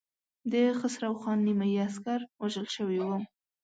د خسرو خان نيمايي عسکر وژل شوي وو.